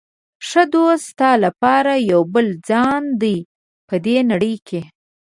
ښه دوست ستا لپاره یو بل ځان دی په دې نړۍ کې.